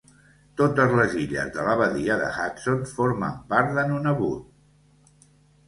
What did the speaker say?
Totes les illes de la badia de Hudson formen part de Nunavut.